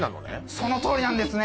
その通りなんですね。